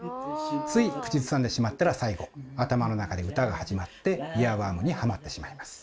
つい口ずさんでしまったら最後頭の中で歌が始まってイヤーワームにハマってしまいます。